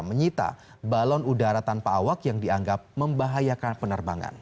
menyita balon udara tanpa awak yang dianggap membahayakan penerbangan